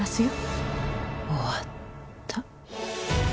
終わった。